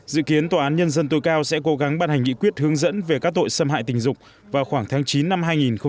dự kiến tòa án nhân dân tối cao sẽ cố gắng ban hành nghị quyết hướng dẫn về các tội xâm hại tình dục vào khoảng tháng chín năm hai nghìn một mươi chín